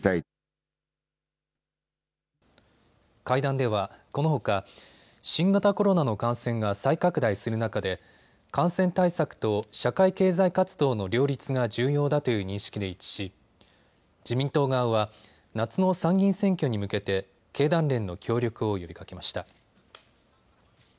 会談ではこのほか新型コロナの感染が再拡大する中で感染対策と社会経済活動の両立が重要だという認識で一致し自民党側は夏の参議院選挙に向けて経団連の協力を呼びかけました。